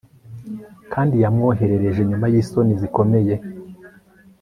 kandi yamworohereje nyuma yisoni zikomeye